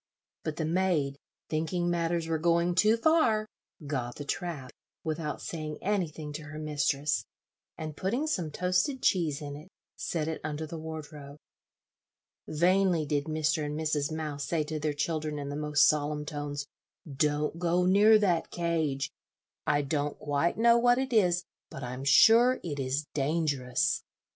But the maid, thinking matters were going too far, got the trap, without saying anything to her mistress, and putting some toasted cheese in it, set it under the wardrobe. Vainly did Mr. and Mrs. Mouse say to their children, in the most solemn tones, "Don't go near that cage; I don't quite know what it is, but I'm sure it is dangerous."